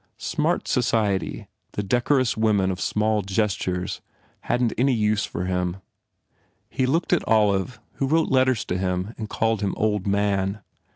Smart society, the decorous women of small gestures, hadn t any use for him. He looked at Olive who wrote letters to him and called him old man.